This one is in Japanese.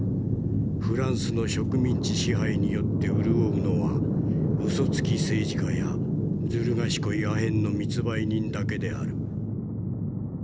フランスの植民地支配によって潤うのはうそつき政治家やずる賢いアヘンの密売人だけである」。